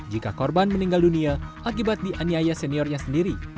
jika korban meninggal dunia akibat dianiaya seniornya sendiri